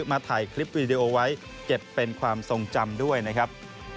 มาถ่ายคลิปวีดีโอไว้เก็บเป็นความทรงจำด้วยนะครับ